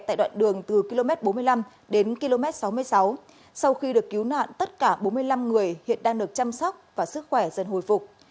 tại đoạn đường từ km bốn mươi năm đến km sáu mươi sáu sau khi được cứu nạn tất cả bốn mươi năm người hiện đang được chăm sóc và sức khỏe dần hồi phục